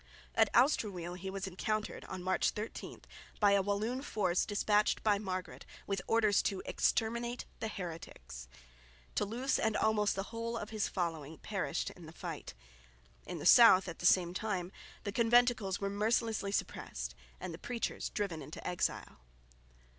At Austruweel he was encountered (March 13) by a Walloon force despatched by Margaret with orders to "exterminate the heretics." Thoulouse and almost the whole of his following perished in the fight. In the south at the same time the conventicles were mercilessly suppressed and the preachers driven into exile.